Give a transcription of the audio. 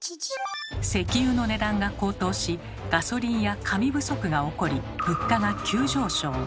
石油の値段が高騰しガソリンや紙不足が起こり物価が急上昇。